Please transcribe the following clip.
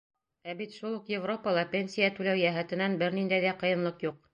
Ә бит шул уҡ Европала пенсия түләү йәһәтенән бер ниндәй ҙә ҡыйынлыҡ юҡ.